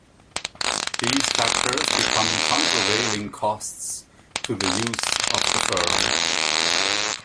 These factors become countervailing costs to the use of the firm.